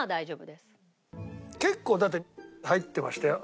結構だって入ってましたよ。